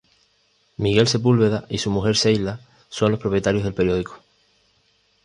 Miguel Sepúlveda y su mujer Sheila son los propietarios del periódico.